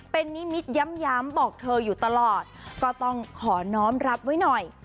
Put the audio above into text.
เป็นนิมิตย้ำบอกเธออยู่ตลอดก็ต้องขอน้องรับไว้หน่อย